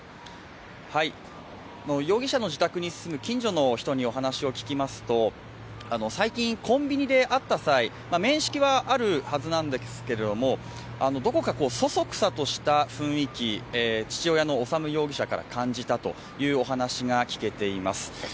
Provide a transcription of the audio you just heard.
容疑者の自宅に住む近所の人にお話を聞きますと最近、コンビニで会った際、面識はあるはずなんですけれどもどこかそそくさとした雰囲気を父親の修容疑者から感じたというお話が聞けています。